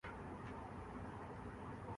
کہ نومبر کے فیصلے پہلے ہی ہو چکے ہیں۔